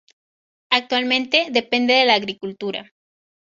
Actualmente depende de la agricultura.